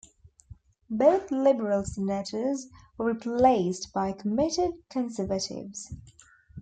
Both liberal senators were replaced by committed conservatives.